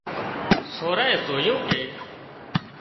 سورانئين زويُون ڪي